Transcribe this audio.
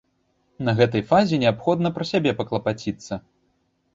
На гэтай фазе неабходна пра сябе паклапаціцца.